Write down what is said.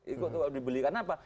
itu dibeli karena apa